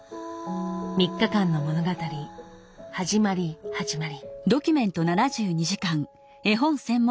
３日間の物語はじまりはじまり。